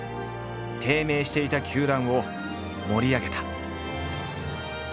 低迷していた球団を盛り上げた。